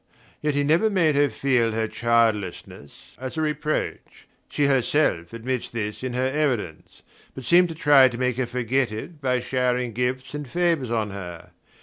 Yet he never made her feel her childlessness as a reproach she herself admits this in her evidence but seemed to try to make her forget it by showering gifts and favours on her.